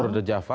tur di java